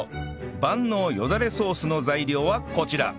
万能よだれソースの材料はこちら